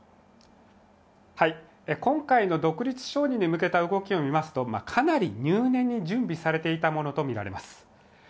今回の独立承認に向けた動きを見ますとかなり入念に準備されていたものとみられます。